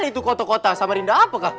itu kota kota sama rinda apakah